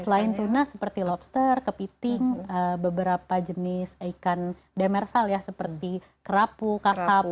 selain tuna seperti lobster kepiting beberapa jenis ikan demersal ya seperti kerapu kakap